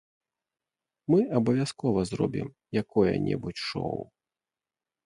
Мы абавязкова зробім якое-небудзь шоў!